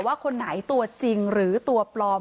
ว่าคนไหนตัวจริงหรือตัวปลอม